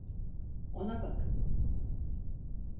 Ona bakın!